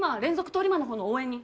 通り魔の方の応援に。